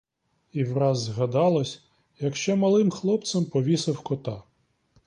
І враз згадалось, як ще малим хлопцем повісив кота.